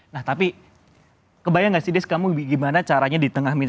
nah tapi kebayang gak sih desk kamu gimana caranya di tengah mini